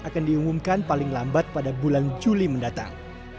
akan diumumkan paling lambat pada bulan juli mendatang